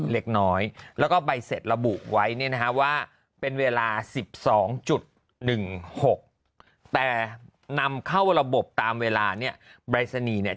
เล็กน้อยแล้วก็ใบเสร็จระบุไว้เนี่ยนะฮะว่าเป็นเวลา๑๒๑๖แต่นำเข้าระบบตามเวลาเนี่ยปรายศนีย์เนี่ย